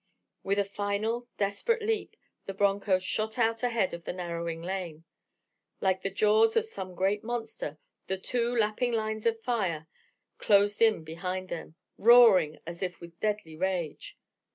With a final, desperate leap, the broncho shot out ahead of the narrowing lane. Like the jaws of some great monster, the two lapping lines of fire closed in behind them, roaring as if with deadly rage.